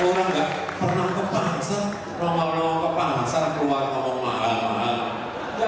orang gak pernah ke pasar nongol nongol ke pasar keluar ngomong mahal mahal